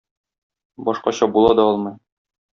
Башкача була да алмый.